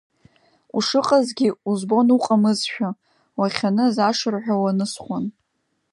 Ушыҟазгьы, узбон уҟамызшәа, уахьаныз ашырҳәа уанысхуан.